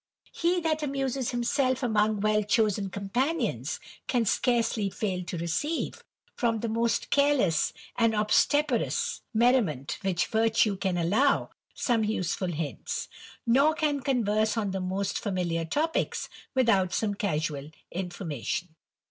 He tb amuses himself among well chosen companions, can scarcely fail to receive, ftom the most careless and obstreperous merriment which virtue can allow, some useful hints ; nor can converse on the most familiar topicks, without some casual information.